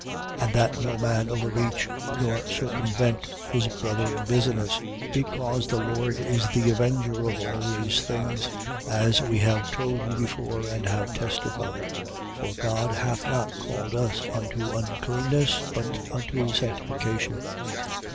And that no man overreach nor circumvent his brother in business: because the Lord is the avenger of all these things, as we have told you before and have testified. 4:7. For God hath not called us unto uncleanness, but unto sanctification.